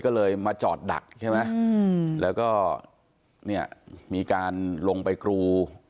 ก็เลยมาจอดดักใช่ไหมแล้วก็เนี่ยมีการลงไปกรู